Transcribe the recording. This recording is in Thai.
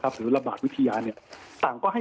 หรือหรือระบาดวิทยา